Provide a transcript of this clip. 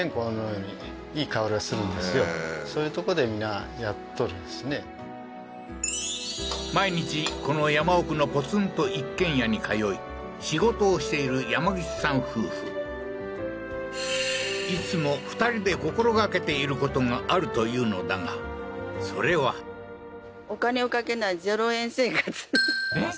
ああーそうなんだ毎日この山奥のポツンと一軒家に通い仕事をしている山口さん夫婦いつも２人で心掛けている事があるというのだがそれはえっ？